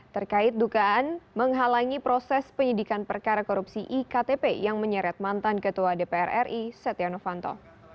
terkait dugaan menghalangi proses penyidikan perkara korupsi iktp yang menyeret mantan ketua dpr ri setia novanto